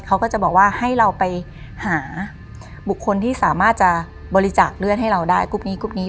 เขาก็จะบอกว่าให้เราไปหาบุคคลที่สามารถจะบริจาคเลือดให้เราได้กรุ๊ปนี้กรุ๊ปนี้